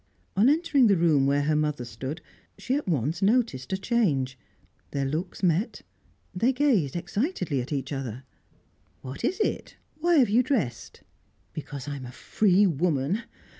On entering the room where her mother stood, she at once noticed a change. Their looks met: they gazed excitedly at each other. "What is it? Why have you dressed?" "Because I am a free woman.